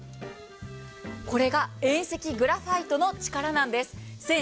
これが遠赤グラファイトの力なんです。